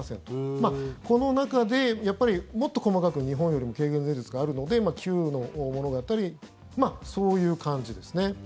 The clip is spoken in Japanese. この中でもっと細かく日本よりも軽減税率があるので９％のものがあったりそういう感じですね。